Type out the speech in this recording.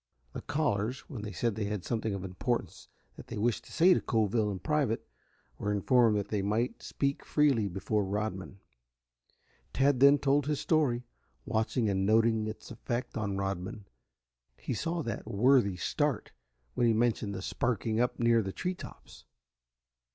The callers, when they said they had something of importance that they wished to say to Coville in private, were informed that they might speak freely before Rodman. Tad then told his story, watching and noting its effect on Rodman. He saw that worthy start when he mentioned the sparking up near the tree tops.